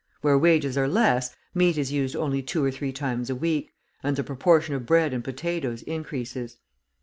Where wages are less, meat is used only two or three times a week, and the proportion of bread and potatoes increases.